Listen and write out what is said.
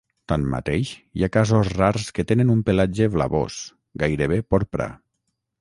Tanmateix, hi ha casos rars que tenen un pelatge blavós, gairebé porpra.